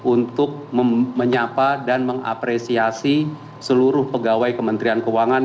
untuk menyapa dan mengapresiasi seluruh pegawai kementerian keuangan